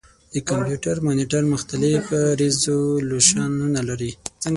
د کمپیوټر مانیټر مختلف ریزولوشنونه لري.